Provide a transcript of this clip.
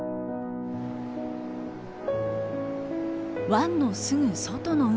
湾のすぐ外の海。